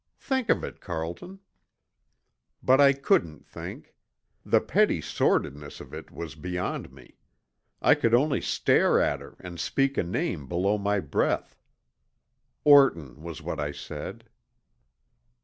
Think of it, Carlton!" But I couldn't think. The petty sordidness of it was beyond me. I could only stare at her and speak a name below my breath. Orton was what I said.